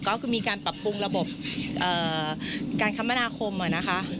ก็คือมีการปรับปรุงระบบการคมนาคมนะคะ